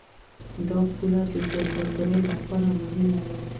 دا پوله د سوداګرۍ لپاره مهمه ده.